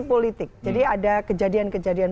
politik jadi ada kejadian kejadian